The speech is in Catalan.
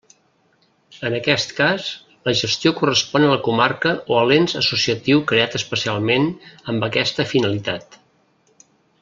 En aquest cas, la gestió correspon a la comarca o a l'ens associatiu creat especialment amb aquesta finalitat.